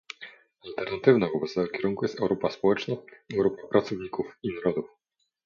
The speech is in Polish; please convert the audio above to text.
Alternatywna wobec tego kierunku jest Europa społeczna, Europa pracowników i narodów